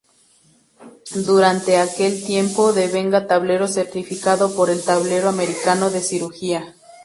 Durante aquel tiempo, devenga tablero certificado por el Tablero americano de Cirugía.